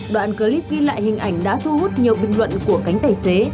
đoạn clip ghi lại hình ảnh đã thu hút nhiều bình luận của cánh tài xế